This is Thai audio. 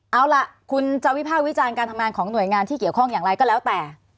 เอาล่ะคุณจะวิภาควิจารณ์การทำงานของหน่วยงานที่เกี่ยวข้องอย่างไรก็แล้วแต่